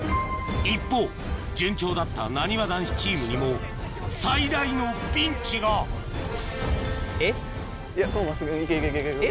一方順調だったなにわ男子チームにも最大のピンチがこれ真っすぐ行け行け。